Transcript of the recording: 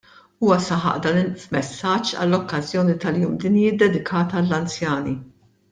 Huwa saħaq dan f'messaġġ għall-okkażjoni tal-Jum Dinji ddedikat għall-anzjani.